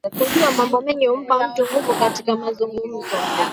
Kujua mambo mengi humpa mtu nguvu katika mazungumzo.